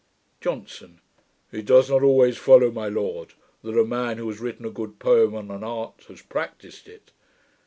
JOHNSON. 'It does not always follow, my lord, that a man who has written a good poem on an art, has practised it.